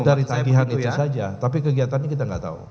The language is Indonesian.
dari tagihan itu saja tapi kegiatannya kita nggak tahu